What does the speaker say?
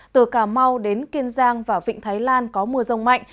từ cà mau đến kiên giang và vịnh thái lan có mưa rông mạnh